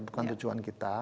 bukan tujuan kita